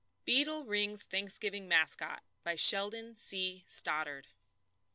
BEETLE RING'S THANKSGIVING MASCOT BY SHELDON C. STODDARD.